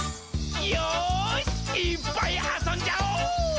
よーし、いーっぱいあそんじゃお！